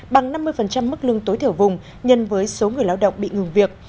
bằng năm mươi mức lương tối thiểu vùng nhân với số người lao động bị ngừng việc